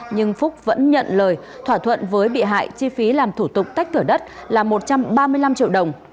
nhưng phúc vẫn nhận lời thỏa thuận với bị hại chi phí làm thủ tục tách thửa đất là một trăm ba mươi năm triệu đồng